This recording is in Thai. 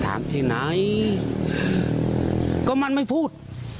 ที่ไหนก็มันไม่พูด